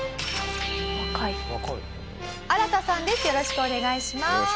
よろしくお願いします。